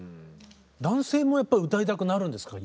男性もやっぱ歌いたくなるんですか？